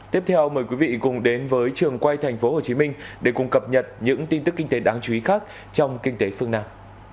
tiếp theo mời quý vị cùng đến với trường quay tp hcm để cùng cập nhật những tin tức kinh tế đáng chú ý khác trong kinh tế phương nam